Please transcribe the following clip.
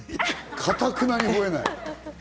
かたくなに吠えない。